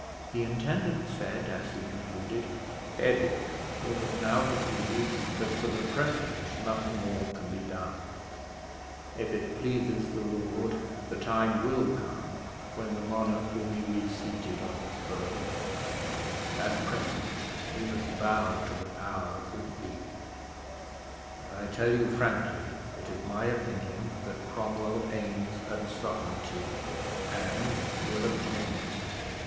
The intendant said, as he concluded. "Edward, you must now perceive that, for the present, nothing more can be done; if it pleases the Lord, the time will come when the monarch will be reseated on his throne; at present, we must bow to the powers that be; and I tell you frankly, it is my opinion that Cromwell aims at sovereignty and will obtain it.